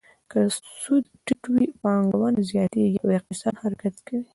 که سود ټیټ وي، پانګونه زیاتیږي او اقتصاد حرکت کوي.